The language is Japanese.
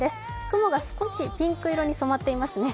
雲が少しピンク色に染まっていますね。